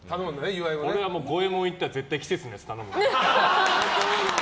俺は五右衛門行ったら絶対季節のやつ頼むもん。